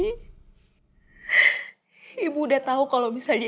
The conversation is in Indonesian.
tapi tapi ibu terus aja kerja